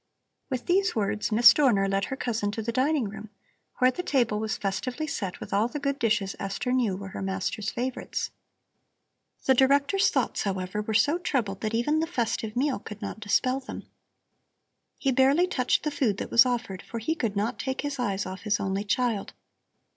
With these words, Miss Dorner led her cousin to the dining room, where the table was festively set with all the good dishes Esther knew were her master's favorites. The Director's thoughts, however, were so troubled that even the festive meal could not dispel them. He barely touched the food that was offered, for he could not take his eyes off his only child.